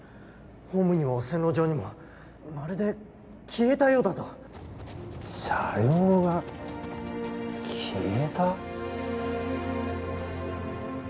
ホームにも線路上にもまるで消えたようだと車両が消えた？